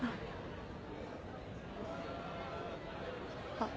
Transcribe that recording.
あっ。